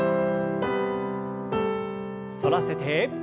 反らせて。